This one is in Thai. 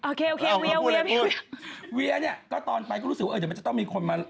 เวียเนี่ยก็ตอนไปก็รู้สึกว่ามันจะต้องมีคนมา